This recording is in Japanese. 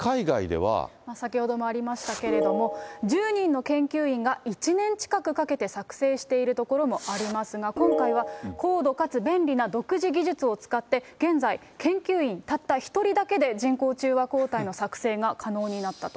先ほどもありましたけれども、１０人の研究員が１年近くかけて作製しているところもありますが、今回は、高度かつ便利な独自技術を使って、現在、研究員たった１人だけで人工中和抗体の作製が可能になったと。